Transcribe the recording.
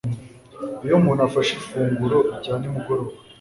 Iyo umuntu afashe ifunguro rya nimugoroba